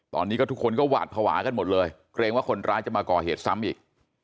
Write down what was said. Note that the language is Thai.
ตอนนี้ก็ทุกคนก็หวาดภาวะกันหมดเลยเกรงว่าคนร้ายจะมาก่อเหตุซ้ำอีก